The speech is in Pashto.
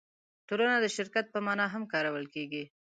ټولنه د شرکت په مانا هم کارول کېږي.